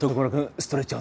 ストレッチャー